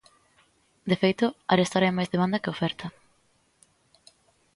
De feito, arestora hai máis demanda que oferta.